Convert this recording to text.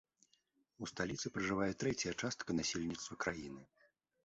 У сталіцы пражывае трэцяя частка насельніцтва краіны.